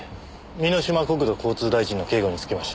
箕島国土交通大臣の警護につきました。